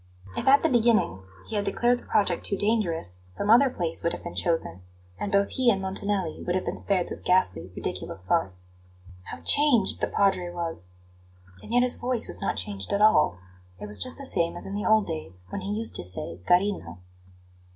If at the beginning he had declared the project too dangerous, some other place would have been chosen; and both he and Montanelli would have been spared this ghastly, ridiculous farce. How changed the Padre was! And yet his voice was not changed at all; it was just the same as in the old days, when he used to say: "Carino."